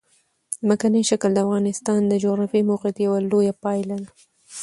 ځمکنی شکل د افغانستان د جغرافیایي موقیعت یوه لویه پایله ده.